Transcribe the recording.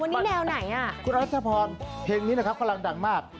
วันนี้แนวไหนอ่ะคุณรัชพรเพลงนี้นะครับกำลังดังมาก